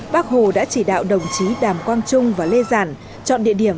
bác hồ đã chỉ đạo đồng chí đàm quang trung và lê giản chọn địa điểm